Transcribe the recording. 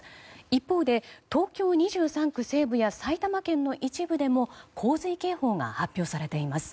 一方で、東京２３部西部や埼玉県の一部でも洪水警報が発表されています。